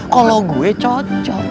kalau gue cocok